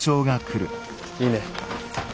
いいね。